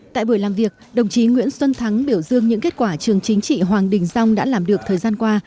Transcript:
tại buổi làm việc đồng chí nguyễn xuân thắng biểu dương những kết quả trường chính trị hoàng đình dông đã làm được thời gian qua